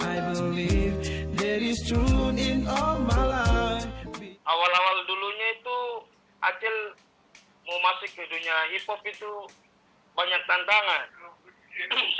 awal awal dulunya itu